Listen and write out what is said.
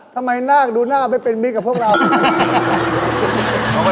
ทำไมน่าดูน่าจะเป็นมิตรกับพวกเรา